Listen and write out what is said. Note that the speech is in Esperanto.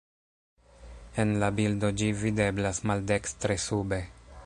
En la bildo ĝi videblas maldekstre sube.